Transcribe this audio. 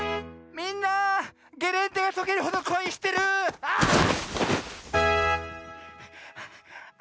みんなゲレンデがとけるほどこいしてる⁉ああ！